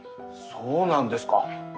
そうなんですか。